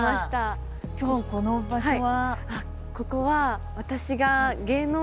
今日この場所は？